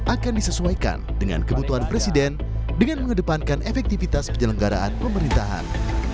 akan disesuaikan dengan kebutuhan presiden dengan mengedepankan efektivitas penyelenggaraan pemerintahan